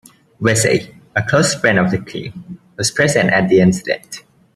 Vesey, a close friend of the King, was present at the incident.